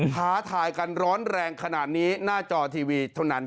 ท้าทายกันร้อนแรงขนาดนี้หน้าจอทีวีเท่านั้น